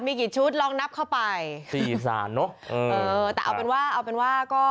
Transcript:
มีกี่ชุดลองนับเข้าไปสี่สารเนอะเออเออแต่เอาเป็นว่าเอาเป็นว่าก็